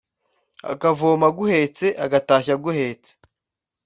Akavoma aguhetse, Agatashya aguhetse